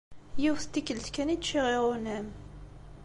Yiwet n tikkelt kan i ččiɣ iɣunam.